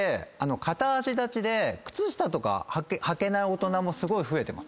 片脚立ちで靴下とかはけない大人もすごい増えてます。